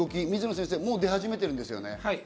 水野先生、もう出始めてるんですよね。